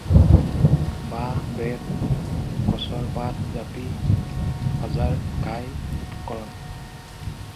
বাঁহ, বেত, গছৰ পাত জাপি সজাৰ ঘাই উপকৰণ।